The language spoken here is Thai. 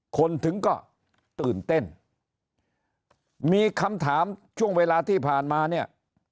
คนถึงก็ตื่นเต้นมีคำถามช่วงเวลาที่ผ่านมาเนี่ย